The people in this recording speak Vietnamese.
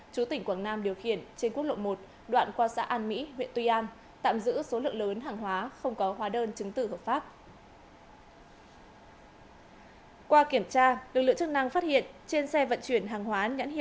chú tỉnh quảng nam điều khiển trên quốc lộ một đoạn qua xã an mỹ huyện tuy an tạm giữ số lượng lớn hàng hóa không có hóa đơn chứng tử hợp pháp